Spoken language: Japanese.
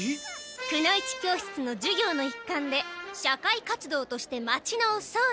くの一教室の授業のいっかんで社会活動として町のおそうじ。